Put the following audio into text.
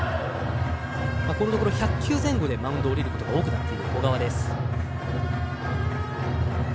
このところ１００球前後でマウンドを降りることが多くなっている小川です。